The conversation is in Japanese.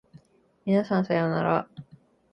皆さんさようなら